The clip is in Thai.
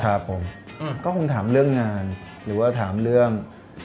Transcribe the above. ครับผมก็คงถามเรื่องงานหรือว่าถามเรื่อง